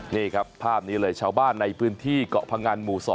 นี่ครับภาพนี้เลยชาวบ้านในพื้นที่เกาะพงันหมู่๒